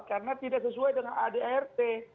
karena tidak sesuai dengan adrt